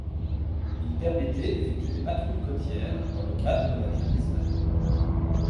Ils permettaient d'effectuer des patrouilles côtières dans le cadre de la Guerre d'Espagne.